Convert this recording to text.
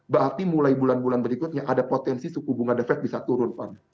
berarti mulai bulan bulan berikutnya ada potensi suku bunga the fed bisa turun van